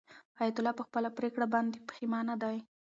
حیات الله په خپله پرېکړه باندې پښېمانه دی.